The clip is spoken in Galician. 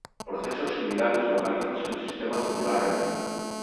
Procesos similares localízanse no sistema tubular renal.